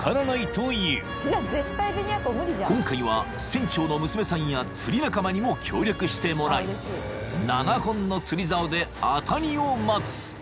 ［今回は船長の娘さんや釣り仲間にも協力してもらい７本の釣りざおで当たりを待つ］